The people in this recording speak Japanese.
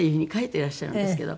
書いていらっしゃるんですけど。